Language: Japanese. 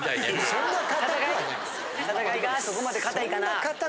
そこまでかたいかな？